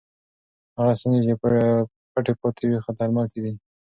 هغه ستونزې چې پټې پاتې وي خطرناکې دي.